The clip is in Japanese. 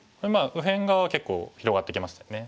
右辺側は結構広がってきましたよね。